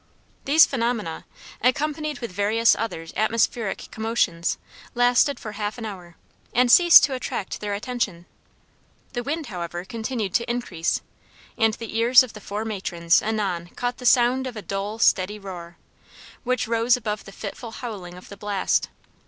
These phenomena, accompanied with various other atmospheric commotions, lasted for half an hour, and ceased to attract their attention. The wind, however, continued to increase, and the ears of the four matrons anon caught the sound of a dull, steady roar, which rose above the fitful howling of the blast.